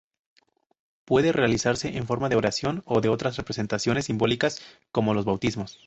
Puede realizarse en forma de oración o de otras representaciones simbólicas, como los bautismos.